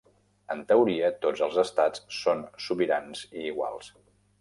En teoria tots els estats són sobirans i iguals.